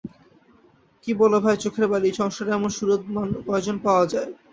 কী বল ভাই চোখের বালি, সংসারে এমন সুহৃদ কয় জন পাওয়া যায়।